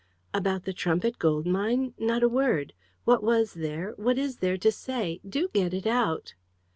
"About the Trumpit Gold Mine? Not a word. What was there, what is there to say? Do get it out!"